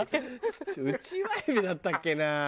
ウチワエビだったっけな？